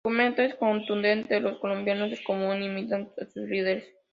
Su argumento es contundente: los colombianos del común imitan a sus líderes.